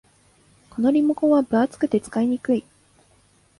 このリモコンは分厚くて使いにくい